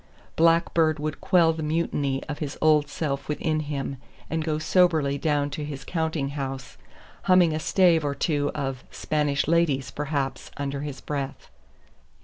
Blackbeard would quell the mutiny of his old self within him and go soberly down to his counting house humming a stave or two of "Spanish Ladies," perhaps, under his breath.